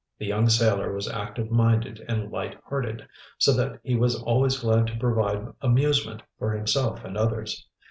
The young sailor was active minded and light hearted, so that he was always glad to provide amusement for himself and others.